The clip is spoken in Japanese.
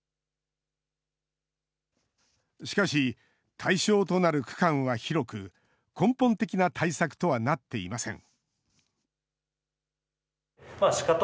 しかし、対象となる区間は広く、根本的な対策とはなっていません。